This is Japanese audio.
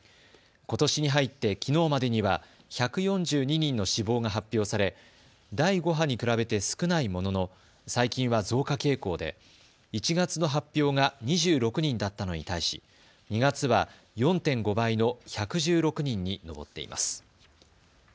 ことしに入って、きのうまでには１４２人の死亡が発表され第５波に比べて少ないものの最近は増加傾向で１月の発表が２６人だったのに対し２月は４．５倍の１１６人に上っています。